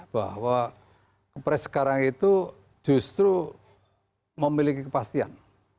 bahwa kepres sekarang itu justru memiliki kepastian